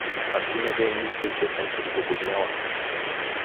А ти недей мисли, че съм послободняла.